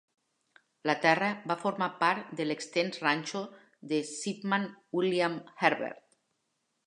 La terra va formar part de l'extens ranxo de Shipman William Herbert.